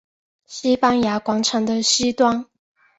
西班牙广场的西端。